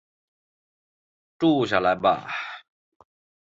住下来吧